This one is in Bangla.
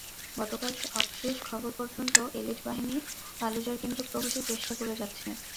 গতকাল সবশেষ খবর পর্যন্ত এলিট বাহিনী ফালুজার কেন্দ্রে প্রবেশের চেষ্টা করে যাচ্ছে।